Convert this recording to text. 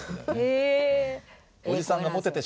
へえ。